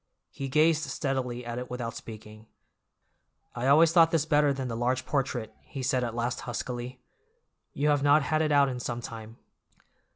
He gazed steadily at it without speaking. "I always thought this better than the large portrait," he said at last huskily. "You have not had it out in some time."